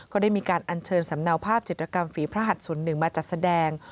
ก็ได้มีการอัญเชิญสำเนาภาพจิตรกรรมฝีพระหัดส่วนหนึ่งมาจัดแสดง